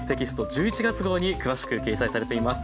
１１月号に詳しく掲載されています。